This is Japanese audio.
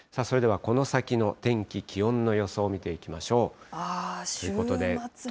それではこの先の天気、気温の予想見ていきましょう。